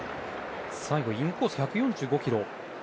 最後はインコース、１４５キロ。